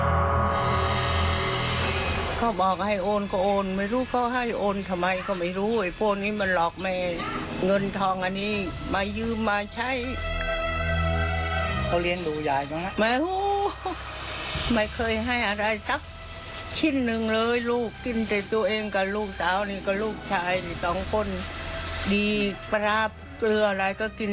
อาทิตย์โรงพยาบาลโรงพยาบาลโรงพยาบาลโรงพยาบาลโรงพยาบาลโรงพยาบาลโรงพยาบาลโรงพยาบาลโรงพยาบาลโรงพยาบาลโรงพยาบาลโรงพยาบาลโรงพยาบาลโรงพยาบาลโรงพยาบาลโรงพยาบาลโรงพยาบาลโรงพยาบาลโรงพยาบาลโรงพยาบาลโรงพยาบาลโรงพย